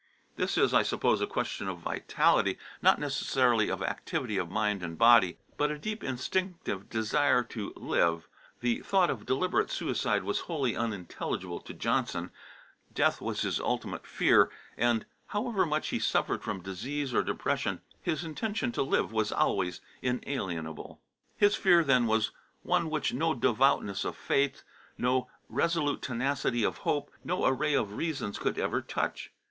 This is, I suppose, a question of vitality, not necessarily of activity of mind and body, but a deep instinctive desire to live; the thought of deliberate suicide was wholly unintelligible to Johnson, death was his ultimate fear, and however much he suffered from disease or depression, his intention to live was always inalienable. His fear then was one which no devoutness of faith, no resolute tenacity of hope, no array of reasons could ever touch.